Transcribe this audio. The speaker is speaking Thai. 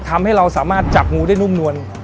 ทำให้เราสามารถจับงูได้นุ่มนวล